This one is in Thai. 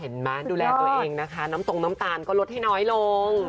มั้ยดูแลตัวเองนะคะน้ำตรงน้ำตาลก็ลดให้น้อยลง